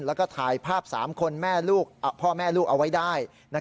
แล้วก็ถ่ายภาพ๓คนพ่อแม่ลูกเอาไว้ได้